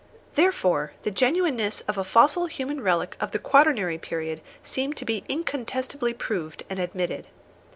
Therefore the genuineness of a fossil human relic of the quaternary period seemed to be incontestably proved and admitted.